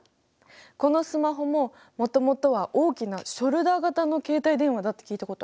このスマホももともとは大きなショルダー型の携帯電話だって聞いたことある。